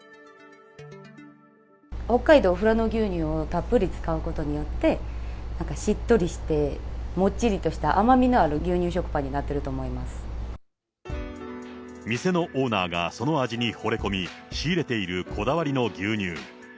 北海道富良野牛乳をたっぷり使うことによって、しっとりしてもっちりとした甘みのある牛乳食パンになっていると店のオーナーがその味にほれ込み、仕入れているこだわりの牛乳。